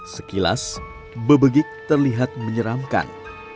sekilas bebegik terlihat menyeramkan